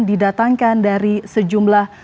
didatangkan dari sejumlah